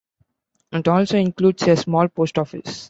It also includes a small post office.